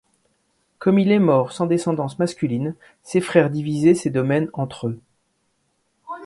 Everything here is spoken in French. Comme il est mort sans descendance masculine, ses frères divisé ses domaines entre eux.